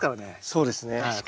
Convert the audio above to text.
そうですね。